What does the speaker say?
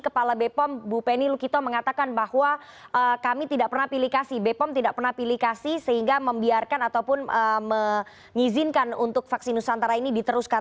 kepala bepom bu penny lukito mengatakan bahwa kami tidak pernah pilih kasih bepom tidak pernah pilih kasih sehingga membiarkan ataupun mengizinkan untuk vaksin nusantara ini diteruskan